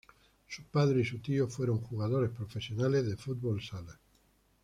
Su padre y su tío fueron jugadores profesionales de fútbol sala.